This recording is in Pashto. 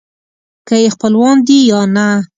که یې خپلوان دي یا نه.